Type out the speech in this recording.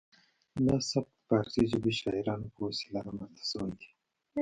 دا سبک د پارسي ژبو شاعرانو په وسیله رامنځته شوی دی